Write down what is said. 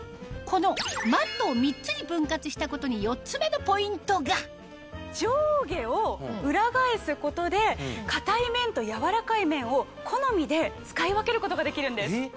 このマットを３つに分割したことに４つ目のポイントが上下を裏返すことで硬い面と柔らかい面を好みで使い分けることができるんです。